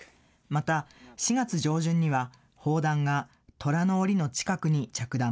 また４月上旬には、砲弾がトラのおりの近くに着弾。